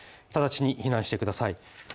直ちに避難してください。